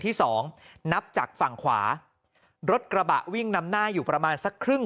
ที่สองนับจากฝั่งขวารถกระบะวิ่งนำหน้าอยู่ประมาณสักครึ่ง